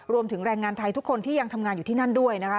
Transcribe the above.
รวมถึงแรงงานไทยทุกคนที่ยังทำงานอยู่ที่นั่นด้วยนะคะ